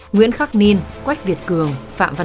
nguyễn khắc ninh quách việt cường phạm văn úy